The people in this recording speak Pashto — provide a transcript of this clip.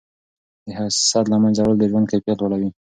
د حسد له منځه وړل د ژوند کیفیت لوړوي.